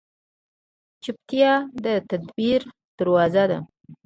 چپتیا، د تدبیر دروازه ده.